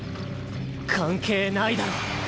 関係ないだろ。